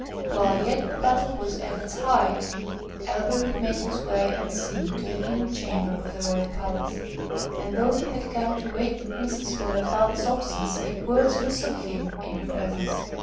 While yet the battle was at its height, Elberich made his way, unseen, to an inner chamber of the Royal Palace, and though he had come to rate the Princess for her father's obstinacy, words forsook him in her presence.